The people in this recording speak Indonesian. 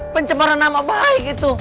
pencemaran nama baik itu